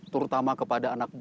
terutama kepada anak buahmu